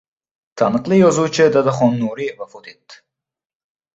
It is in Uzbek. Taniqli yozuvchi Dadaxon Nuriy vafot etdi